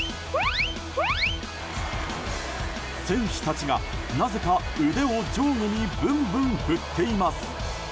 選手たちがなぜか腕を上下にブンブン振っています。